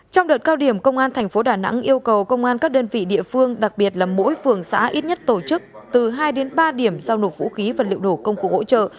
trong đợt cao điểm công an thành phố đà nẵng yêu cầu công an các đơn vị địa phương đặc biệt là mỗi phường xã ít nhất tổ chức từ hai đến ba điểm giao nộp vũ khí vật liệu nổ công cụ hỗ trợ